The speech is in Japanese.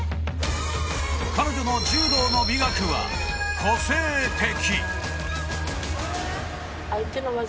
彼女の柔道の美学は個性的。